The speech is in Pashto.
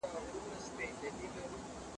ښه او بد ورته تشریح کړئ.